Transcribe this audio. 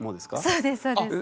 そうですそうです。